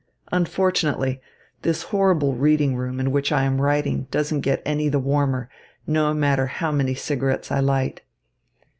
Unfortunately, this horrible reading room in which I am writing doesn't get any the warmer, no matter how many cigarettes I light.